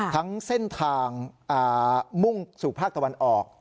ทั้งเส้นทางมุ่งสู่ภาคตะวันออก